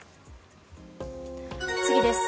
次です。